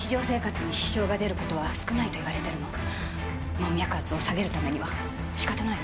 門脈圧を下げるためには仕方ないわ。